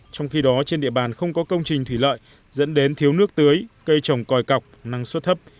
trong khi đó trên địa bàn không có công trình thủy lợi dẫn đến thiếu nước tưới cây trồng còi cọc năng suất thấp